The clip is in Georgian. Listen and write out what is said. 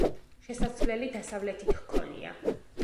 შესასვლელი დასავლეთით ჰქონია.